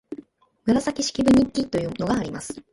「紫式部日記」というのがあります